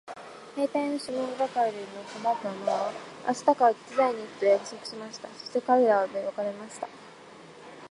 兵隊のシモン係の小悪魔は明日から手伝いに行くと約束しました。こうして彼等は別れました。